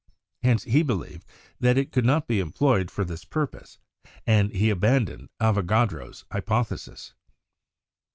Hence he believed that it could not be employed for this purpose, and he abandoned Avogadro's hypothesis.